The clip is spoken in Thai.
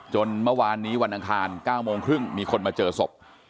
เมื่อวานนี้วันอังคาร๙โมงครึ่งมีคนมาเจอศพ